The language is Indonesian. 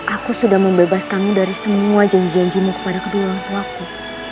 aku sudah membebaskanmu dari semua janji janjimu kepada kedua orang tuaku